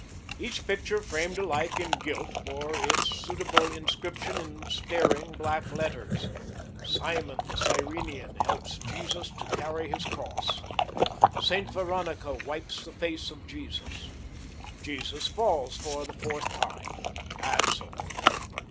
Each picture framed alike in gilt, bore its suitable inscription in staring black letters. "Simon, The Cyrenean, Helps Jesus to Carry His Cross." "Saint Veronica Wipes the Face of Jesus." "Jesus Falls for the Fourth Time," and so on.